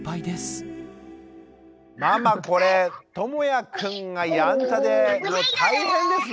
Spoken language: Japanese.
ママこれともやくんがやんちゃで大変ですね。